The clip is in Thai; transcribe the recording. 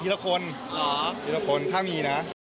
พี่ละคนพี่ละคนข้ามีนะ